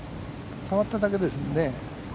触っただけですもんね。